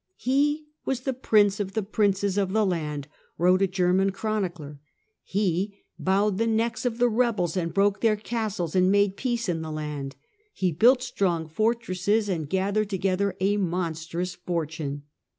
" He was the prince of the princes of the land," wrote a German chronicler ;" he bowed the necks of the rebels, and broke their castles and made peace in the land ; he built strong fortresses and gathered together a monstrous fortune."